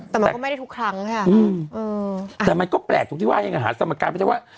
แต่มันก็ไม่ได้ทุกครั้งแต่มันก็แปลกตรงที่ว่ายังหาสมการไม่ได้ว่า